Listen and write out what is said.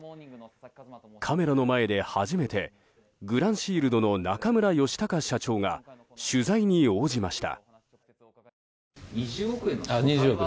カメラの前で初めてグランシールドの中村佳敬社長が取材に応じました。